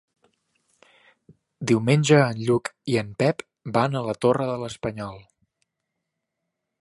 Diumenge en Lluc i en Pep van a la Torre de l'Espanyol.